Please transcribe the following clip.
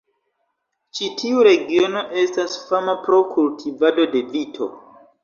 Ĉi tiu regiono estas fama pro kultivado de vito.